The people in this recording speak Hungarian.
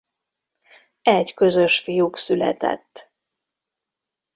Egy közös fiuk született.